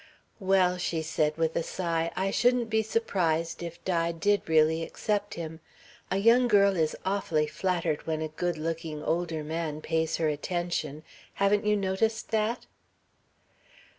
"Well," she said with a sigh, "I shouldn't be surprised if Di did really accept him. A young girl is awfully flattered when a good looking older man pays her attention. Haven't you noticed that?"